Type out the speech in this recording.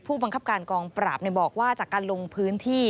ผู้บังคับการกองปราบบอกว่าจากการลงพื้นที่